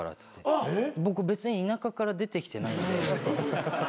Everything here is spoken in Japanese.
僕別に田舎から出てきてないんで。